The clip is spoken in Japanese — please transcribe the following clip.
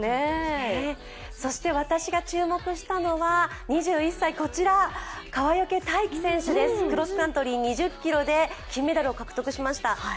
そして、私が注目したのは２１歳こちら川除大輝選手です、クロスカントリー２０ｋｍで金メダルを獲得しました。